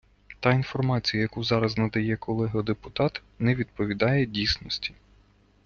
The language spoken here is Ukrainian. Та інформація, яку надає зараз колега депутат, не відповідає дійсності.